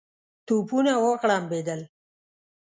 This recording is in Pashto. توپونه وغړمبېدل.